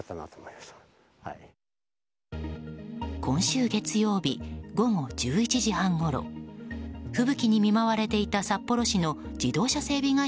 今週月曜日午後１１半ごろ吹雪に見舞われていた札幌市の自動車整備